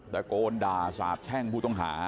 ตะโกนด่าสาบแช่งผู้ต้องหา